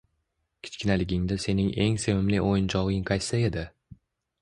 Kichkinaligingda sening eng sevimli o‘yinchog‘ing qaysi edi?